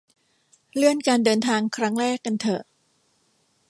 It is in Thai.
เลื่อนการเดินทางครั้งแรกกันเถอะ